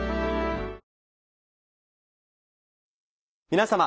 皆様。